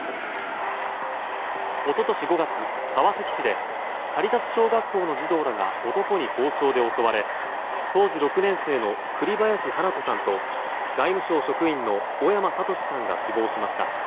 一昨年５月、川崎市でカリタス小学校の児童らが男に包丁で襲われ当時６年生の栗林華子さんと外務省職員の小山智史さんが死亡しました。